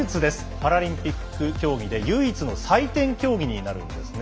パラリンピック競技で唯一の採点競技になるんですね。